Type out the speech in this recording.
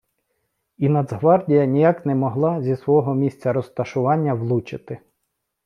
І Нацгвардія ніяк не могла зі свого місця розташування влучити.